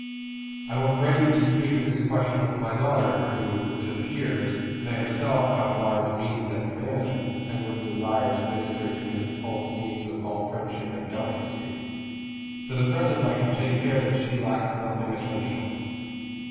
"I will pray you to speak of this question with my daughter, who, it appears, may herself have large means at command, and would desire to minister to Mrs. Holt's needs with all friendship and delicacy. For the present I can take care that she lacks nothing essential."